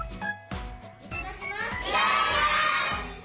いただきます！